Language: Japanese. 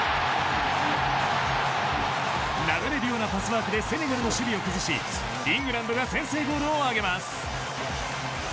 流れるようなパスワークでセネガルの守備を崩しイングランドが先制ゴールを挙げます。